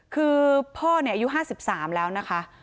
คือพ่ออายุ๕๓แล้วนะคะ